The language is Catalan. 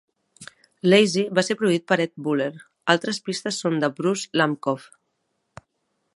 "Lazy" va ser produït per Ed Buller, altres pistes són de Bruce Lampcov.